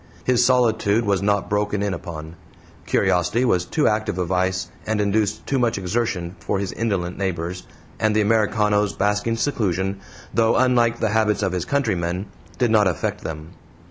His solitude was not broken in upon; curiosity was too active a vice, and induced too much exertion for his indolent neighbors, and the Americano's basking seclusion, though unlike the habits of his countrymen, did not affect them.